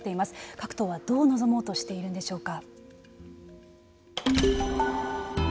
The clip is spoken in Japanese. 各党はどう臨もうとしているんでしょうか。